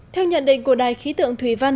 theo nhận định của đài khí tượng thủy văn